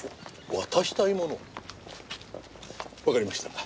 渡したいもの？わかりました。